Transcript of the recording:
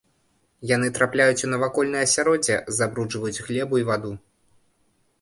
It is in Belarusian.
Яны трапляюць у навакольнае асяроддзе, забруджваюць глебу і ваду.